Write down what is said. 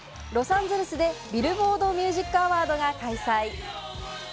ロサンゼルスでビルボード・ミュージック・アワードが開催。